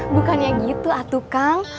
bukannya gitu atu kang